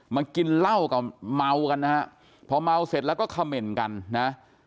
มากินเหล้ากับเมากันนะฮะพอเมาเสร็จแล้วก็เขม่นกันนะ